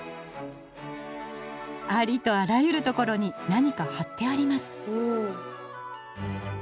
ありとあらゆるところに何かはってあります。